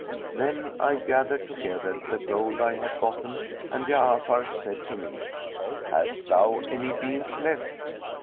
Then I gathered together the gold I had gotten, and Ja'afar said to me, 'Hast thou any beans left?'